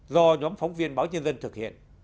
do nhóm phóng viên báo nhân dân thực hiện